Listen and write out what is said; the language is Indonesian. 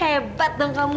wah hebat dong kamu